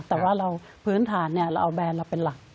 แต่ว่าเราพื้นฐานเราเอาแบรนด์เราเป็นหลัก